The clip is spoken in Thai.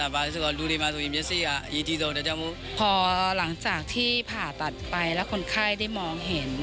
พอหลังจากที่ผ่าตัดไปแล้วคนไข้ได้มองเห็น